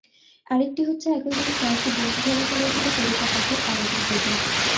আরেকটি হচ্ছে একই দিনে কয়েকটি বন্ধুসভা স্বরচিত কবিতা পাঠের আয়োজন করবে।